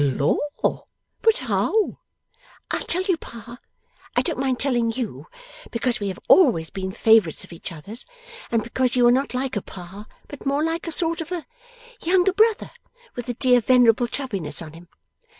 'Lor! But how?' 'I'll tell you, Pa. I don't mind telling YOU, because we have always been favourites of each other's, and because you are not like a Pa, but more like a sort of a younger brother with a dear venerable chubbiness on him.